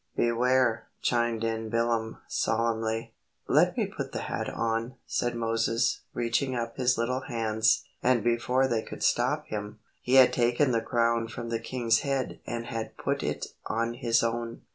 "Beware," chimed in Bilam, solemnly. "Let me put the hat on," said Moses, reaching up his little hands, and before they could stop him, he had taken the crown from the king's head and had put it on his own.